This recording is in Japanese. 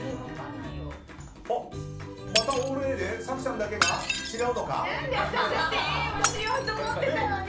またオールＡで早紀さんだけが違うのか？